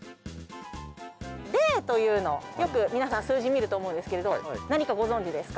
「Ｄ」というのよく皆さん数字見ると思うんですけれど何かご存じですか？